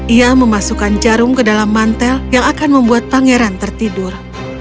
ia memasukkan jarum ke dalam mantel yang akan membuat pangeran tertidur